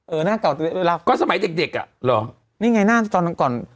เออหน้าเก่าจะรับก็สมัยเด็กเด็กนี่ไงหน้าก่อน